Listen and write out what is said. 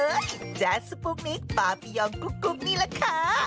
เอ๊ยแจ๊สสุปุ๊กนี้ปลาไปยอมกุ๊กนี่แหละค่ะ